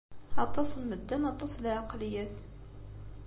Aṭas n medden, aṭas n lɛeqleyyat.